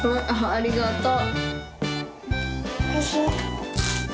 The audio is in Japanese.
ありがとう。